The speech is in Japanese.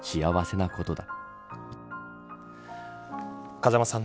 風間さん